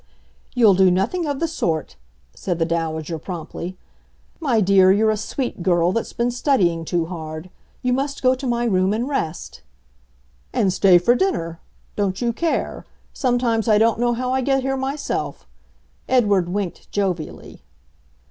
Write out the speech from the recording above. "You'll do nothing of the sort," said the Dowager, promptly. "My dear, you're a sweet girl that's been studying too hard. You must go to my room and rest " "And stay for dinner. Don't you care. Sometimes I don't know how I get here myself." Edward winked jovially.